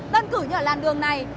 đơn cử nhờ làn đường này